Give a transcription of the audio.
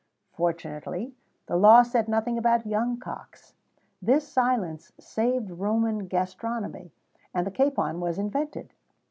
[XVII 13] Fortunately, the law said nothing about young cocks; this silence saved Roman gastronomy, and the capon was invented.